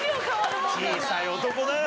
小さい男だよ！